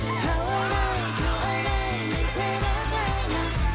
เข้าอะไรเข้าอะไรไม่เคยรักแหล่งหลัก